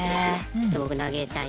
ちょっと僕投げたい。